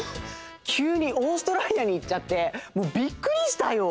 きゅうにオーストラリアに行っちゃってもうびっくりしたよ！